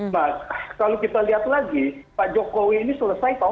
nah kalau kita lihat lagi pak jokowi ini selesai tahun dua ribu dua